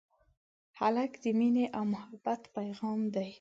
هلک د مینې او محبت پېغام دی.